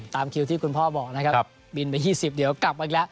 ตามคิวที่คุณพ่อบอกนะครับบินไป๒๐เดี๋ยวกลับมาอีกแล้ว